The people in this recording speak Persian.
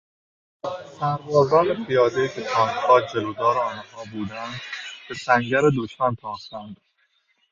سربازان پیادهای که تانکها جلودار آنها بودند به سنگر دشمن تاختند.